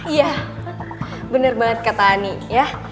iya bener banget kata ani ya